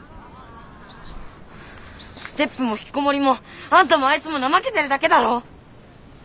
ＳＴＥＰもひきこもりもあんたもあいつも怠けてるだけだろ！